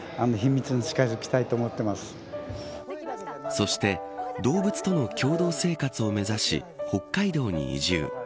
そして動物との共同生活を目指し北海道に移住。